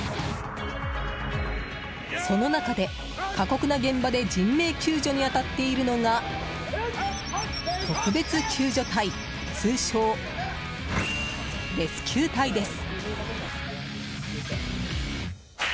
その中で、過酷な現場で人命救助に当たっているのが特別救助隊通称レスキュー隊です。